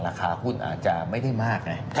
ราคาหุ้นอาจจะไม่ได้มากไง